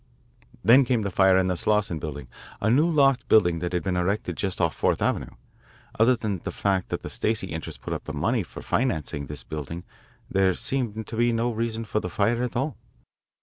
"Then came the fire in the Slawson Building, a new loft building that had been erected just off Fourth Avenue. Other than the fact that the Stacey interests put up the money for financing this building there seemed to be no reason for that fire at all.